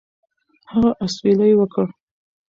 هغه اسویلی وکړ.